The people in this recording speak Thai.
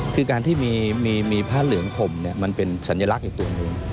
คือการที่มีผ้าเหลืองข่มมันเป็นสัญลักษณ์อีกตัวหนึ่ง